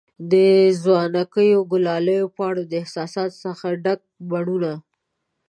د ځوانکیو، ګلالیو پانو د احساساتو څخه ډک بڼوڼه